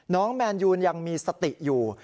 น้องแมนยูยังมีสติอยู่